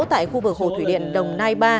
tại khu vực hồ thủy điện đồng nai ba